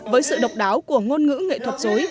với sự độc đáo của ngôn ngữ nghệ thuật dối